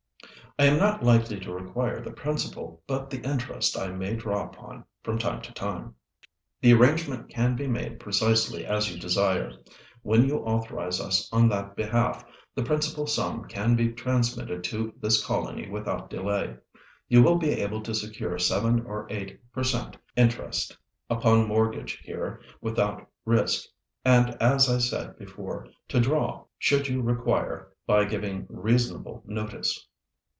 "I am not likely to require the principal, but the interest I may draw upon from time to time." "The arrangement can be made precisely as you desire. When you authorise us on that behalf, the principal sum can be transmitted to this colony without delay. You will be able to secure seven or eight per cent. interest upon mortgage here without risk; and, as I said before, to draw, should you require, by giving reasonable notice.